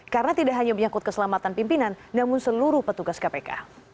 karena tidak hanya menyakut keselamatan pimpinan namun seluruh petugas kpk